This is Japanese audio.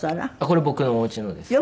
これ僕のお家のです。